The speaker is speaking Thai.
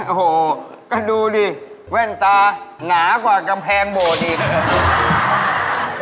โอ้โฮก็ดูนี่แว่นตาหนากว่ากำพแทงโบสถ์เลยนะ